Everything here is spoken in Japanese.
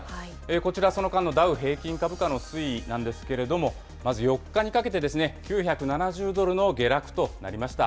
こちら、その間のダウ平均株価の推移なんですけれども、まず４日にかけてですね、９７０ドルの下落となりました。